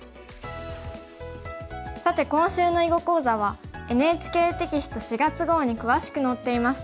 さて今週の囲碁講座はＮＨＫテキスト４月号に詳しく載っています。